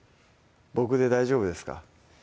僕で大丈夫ですか？